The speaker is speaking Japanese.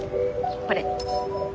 これ。